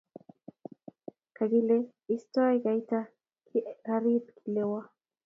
Kakile iyestoi kaita ki rarat kilewo.